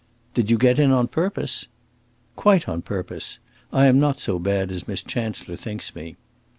"Did you get in on purpose?" "Quite on purpose. I am not so bad as Miss Chancellor thinks me."